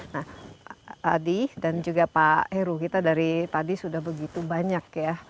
nah pak adi dan juga pak heru kita dari tadi sudah begitu banyak ya